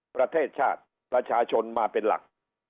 ประเทศชาติประชาชนมาเป็นหลัก